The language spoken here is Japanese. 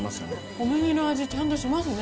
小麦の味、ちゃんとしますね。